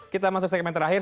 kita masuk segmen terakhir